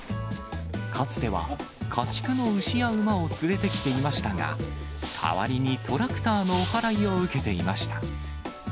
かつては、家畜の牛や馬を連れてきていましたが、代わりにトラクターのお払いを受けていました。